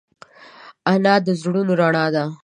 انا د زړونو رڼا ده